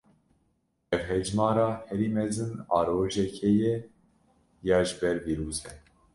Ev hejmara herî mezin a rojekê ye ya ji ber vîrusê.